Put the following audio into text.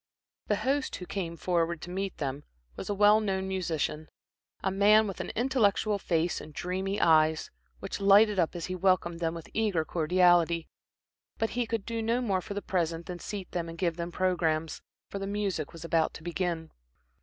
The host, who came forward to meet them, was a well known musician, a man with an intellectual face and dreamy eyes, which lighted up as he welcomed them with eager cordiality; but he could do no more for the present than seat them and give them programmes, for the music was about to begin.